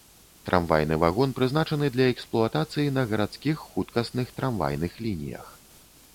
Трамвайны вагон прызначаны для эксплуатацыі на гарадскіх хуткасных трамвайных лініях.